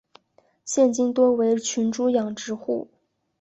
现今多为群猪养殖户。